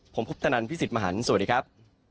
ผมพุทธนันพี่สิทธิ์มหันฯสวัสดีครับ